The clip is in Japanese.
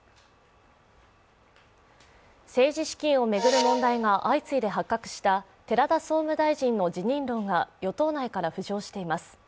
政治資金を巡る問題が相次いで発覚した寺田総務大臣の辞任論が与党内から浮上しています。